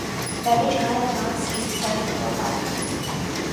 Vai viņš kājām nācis visu ceļu no parka?